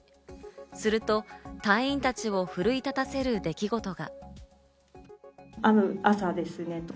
すると、隊員たちを奮い立たせる出来事が。